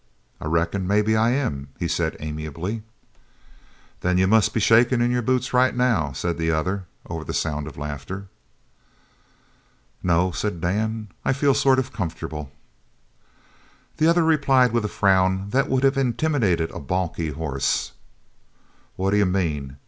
"I reckon maybe I am," he said amiably. "Then you must be shakin' in your boots right now," said the other over the sound of the laughter. "No, said Dan," "I feel sort of comfortable." The other replied with a frown that would have intimidated a balky horse. "What d'you mean?